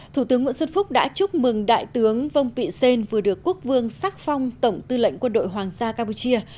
thủ tướng nguyễn xuân phúc đã chúc mừng đại tướng vông pị xên vừa được quốc vương sắc phong tổng tư lệnh quân đội hoàng gia campuchia